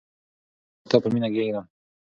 زه به دا سپېڅلی کتاب په مینه کېږدم.